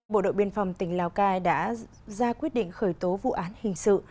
bộ đội biên phòng tỉnh lào cai đã ra quyết định khởi tố vụ án hình sự